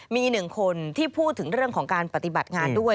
มีหนึ่งคนที่พูดถึงเรื่องของการปฏิบัติงานด้วย